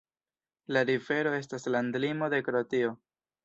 La rivero estas landlimo de Kroatio.